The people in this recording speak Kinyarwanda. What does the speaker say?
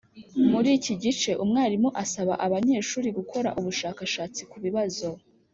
Muri iki gice umwarimu asaba abanyeshuri gukora ubushakashatsi ku bibazo